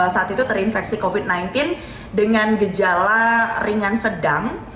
saat itu terinfeksi covid sembilan belas dengan gejala ringan sedang